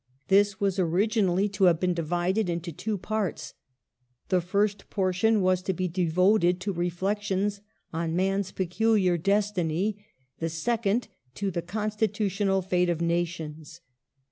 This was originally to have been divided into two parts. The first portion was to be devoted to reflections on man's peculiar destiny; the second, to the constitutional fate of nations.